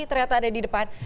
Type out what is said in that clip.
ternyata ada di depan